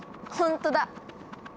ほんとだ！